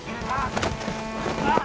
ああ！